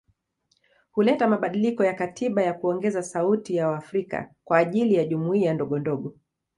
Huleta mabadiliko ya katiba ya kuongeza sauti ya waafrika kwa ajili ya jumuiya ndogondogo